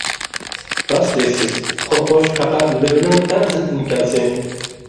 راست دەيسىز قورقۇش پەقەت نېرۋىنىڭ ئەڭ زىل ئىنكاسى!